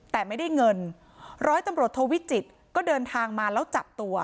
แต่ไม่ได้เงินร้อยตำรวจโทวิจิตรก็เดินทางมาแล้วจับตัว